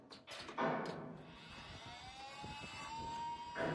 Jejím výsledkem je rozdělení molekul uhlíku a vodíku.